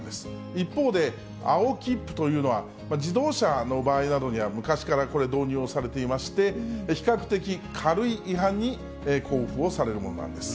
一方で、青切符というのは、自動車の場合などには、昔からこれ、導入をされていまして、比較的軽い違反に交付をされるものなんです。